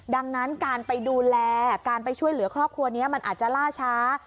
ดังนั้นการไปดูแลการไปช่วยเหลือครอบครัวนี้มันอาจจะล่าช้า